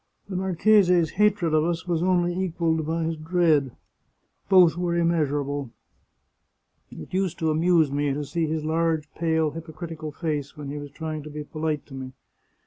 The marchese's hatred of us was only equalled by his dread. Both were immeasurable. It used to amuse me to see his large, pale, hypocritical face when he was trying to be polite to me.